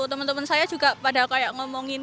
teman teman saya juga pada kayak ngomongin